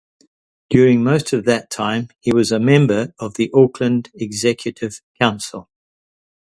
During most of that time, he was a member of the Auckland Executive Council.